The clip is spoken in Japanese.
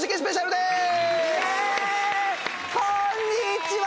こんにちは。